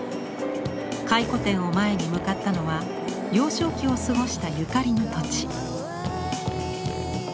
回顧展を前に向かったのは幼少期を過ごしたゆかりの土地。